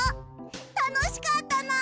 たのしかったな！